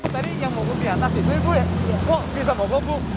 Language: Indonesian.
tadi yang mogok di atas itu ya bu kok bisa mogok bu